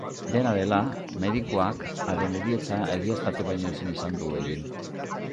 Dena dela, medikuak haren heriotza egiaztatu baino ezin izan du egin.